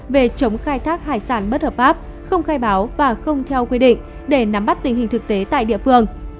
về chống khai thác hải sản bất hợp pháp không khai báo và không theo quy định để nắm bắt tình hình thực tế tại địa phương